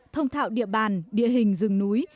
thông thạo địa bàn địa hình rừng núi